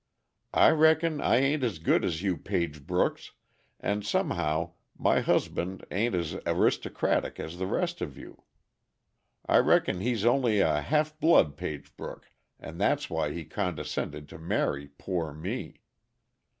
I reckon I a'n't as good as you Pagebrooks, and somehow my husband a'n't as aristocratic as the rest of you. I reckon he's only a half blood Pagebrook, and that's why he condescended to marry poor me."